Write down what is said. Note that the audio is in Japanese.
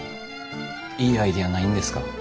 いいアイデアないんですか？